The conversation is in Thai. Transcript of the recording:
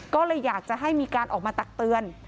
ก็เลยอยากจะให้มีการออกมาตักเตือน